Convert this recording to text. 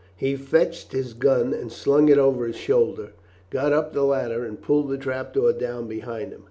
He fetched his gun and slung it over his shoulder, got upon the ladder, and pulled the trap door down behind him.